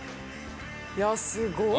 いやすごい。